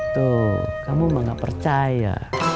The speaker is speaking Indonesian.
tuh kamu mah nggak percaya